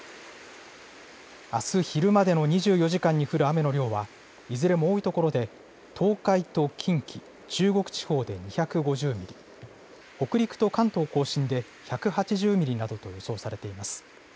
あす昼までの２４時間に降る雨の量は、いずれも多い所で、東海と近畿、中国地方で２５０ミリ、北陸と関東甲信で１８０ミリなどと予想されています。